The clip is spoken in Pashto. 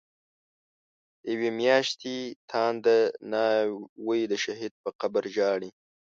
دیوی میاشتی تانده ناوی، د شهید په قبر ژاړی